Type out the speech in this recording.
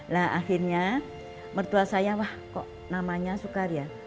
lah akhirnya mertua saya wah kok namanya sukar ya